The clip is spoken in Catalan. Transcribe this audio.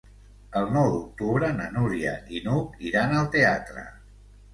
El nou d'octubre na Núria i n'Hug iran al teatre.